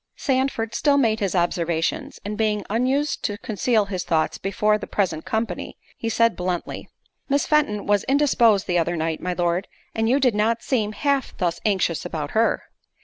Sandford still made his observations, and being unused to conceal his thoughts before the present company, he said bluntly, "Miss Fenton was indisposed the other night, my Lord, and you did not seem half thus anxious about her."